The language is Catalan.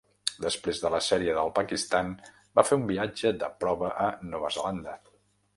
Després de la sèrie del Pakistan, va fer un viatge de prova a Nova Zelanda.